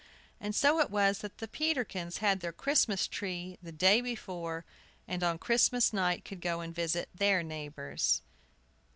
And so it was that the Peterkins had their Christmas tree the day before, and on Christmas night could go and visit their neighbors. MRS.